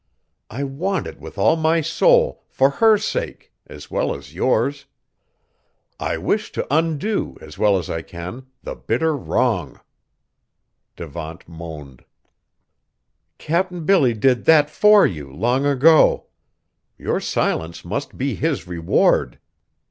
I want it with all my soul for her sake, as well as yours! I wish to undo, as well as I can, the bitter wrong." Devant moaned. "Cap'n Billy did that for you, long ago. Your silence must be his reward!"